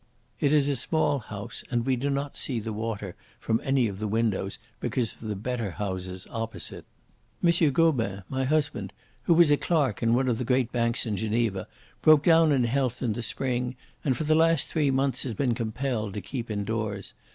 It is a small house, and we do not see the water from any of the windows because of the better houses opposite. M. Gobin, my husband, who was a clerk in one of the great banks in Geneva, broke down in health in the spring, and for the last three months has been compelled to keep indoors.